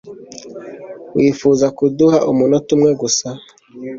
Wifuza kuduha umunota umwe gusa?